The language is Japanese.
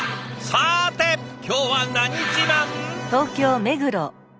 さて今日は何自慢？